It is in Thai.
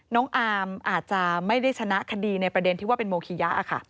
น้องอามอาจจะไม่ได้ชนะคดีในประเด็นที่ว่าเป็นโมคิยะค่ะ